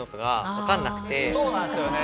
そうなんすよね